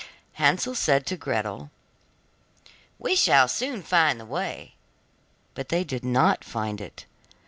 Hansel said to Gretel: 'We shall soon find the way,' but they did not find it.